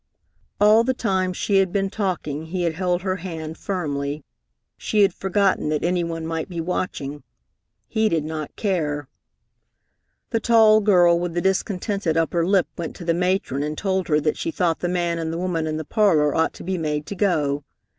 All the time she had been talking, he had held her hand firmly. She had forgotten that any one might be watching; he did not care. The tall girl with the discontented upper lip went to the matron and told her that she thought the man and the woman in the parlor ought to be made to go.